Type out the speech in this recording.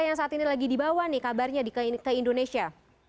yang saat ini lagi dibawa nih kabarnya ke indonesia